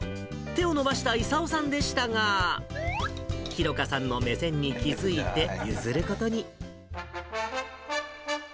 手を伸ばした勲さんでしたが、寛果さんの目線に気付いて譲ることに。